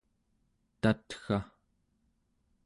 tatga